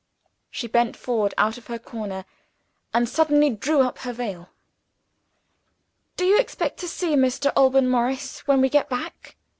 She bent forward out of her corner, and suddenly drew up her veil. "Do you expect to see Mr. Alban Morris, when we get back?"